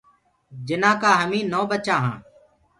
جنآ ڪآ هميٚ نو ٻچآ هآنٚ۔